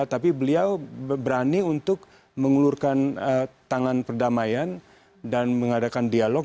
tapi beliau berani untuk mengulurkan tangan perdamaian dan mengadakan dialog